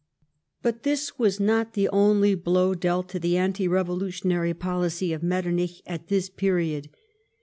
But this was not the only blow dealt to the anti revolutionary policy of Mettcrnich at this period.